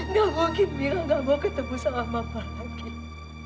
nggak mungkin mira nggak mau ketemu sama mama lagi